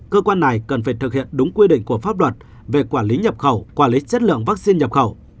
cơ quan này cần phải thực hiện đúng quy định của pháp luật về quản lý nhập khẩu quản lý chất lượng vaccine nhập khẩu